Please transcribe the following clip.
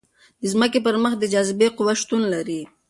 د ځمکې پر مخ د جاذبې قوه شتون لري.